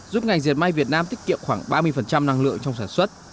giúp ngành diệt may việt nam tiết kiệm khoảng ba mươi năng lượng trong sản xuất